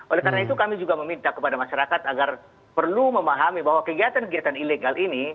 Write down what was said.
oleh karena itu kami juga meminta kepada masyarakat agar perlu memahami bahwa kegiatan kegiatan ilegal ini